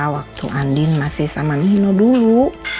waktu andin masih sama mihino dulu